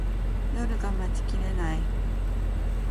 夜が待ちきれない